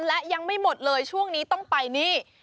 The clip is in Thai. และยังไม่หมดเลยช่วงนี้ต้องไปนี่